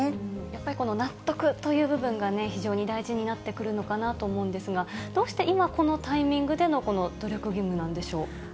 やっぱり納得という部分がね、非常に大事になってくるのかなと思うんですが、どうして今、このタイミングでの努力義務なんでしょう。